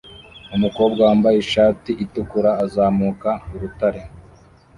Umukobwa wambaye ishati itukura azamuka urutare